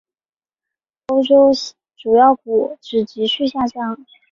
欧洲主要股指急剧下跌。